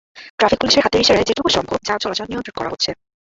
Traffic পুলিশের হাতের ইশারায় যেটুকু সম্ভব যান চলাচল নিয়ন্ত্রণ করা হচ্ছে।